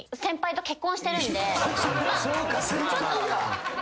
そうか先輩や。